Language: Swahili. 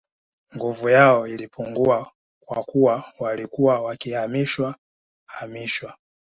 Nguvu yao ilipungua kwa kuwa walikuwa wakihamishwa hamishwa